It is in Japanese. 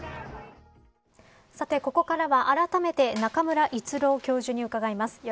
さて、ここからは、あらためて中村逸郎教授に伺います。